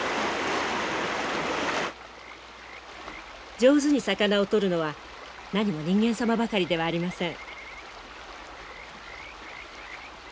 上手に魚を取るのはなにも人間様ばかりではありません。